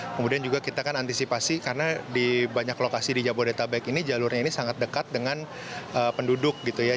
kemudian juga kita kan antisipasi karena di banyak lokasi di jabodetabek ini jalurnya ini sangat dekat dengan penduduk gitu ya